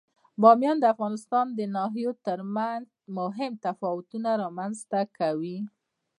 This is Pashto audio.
بامیان د افغانستان د ناحیو ترمنځ مهم تفاوتونه رامنځ ته کوي.